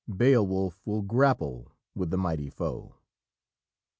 Beowulf will grapple with the mighty foe."